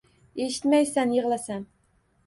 Eshitmaysan yig‘lasam.